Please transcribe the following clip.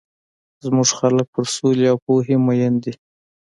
زموږ خلک پر سولي او پوهي مۀين دي.